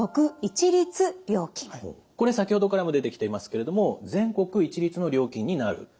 これ先ほどからも出てきていますけれども全国一律の料金になる。